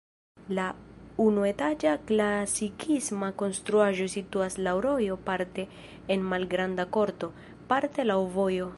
La unuetaĝa klasikisma konstruaĵo situas laŭ rojo parte en malgranda korto, parte laŭ vojo.